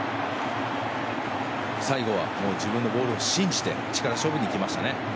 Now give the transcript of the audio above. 最後は自分のボールを信じて力勝負にいきましたね。